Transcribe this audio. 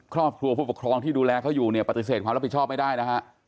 ครอบครัวผู้ปกครองที่ดูแลเขาอยู่เนี่ยปฏิเสธความรับผิดชอบไม่ได้นะฮะ